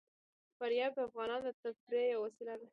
فاریاب د افغانانو د تفریح یوه وسیله ده.